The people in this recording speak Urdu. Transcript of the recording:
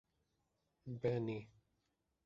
بینی